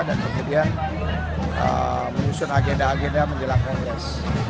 dan kemudian menyusun agenda agenda menjelang kongres